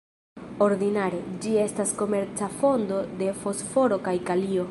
Ordinare, ĝi estas komerca fonto de fosforo kaj kalio.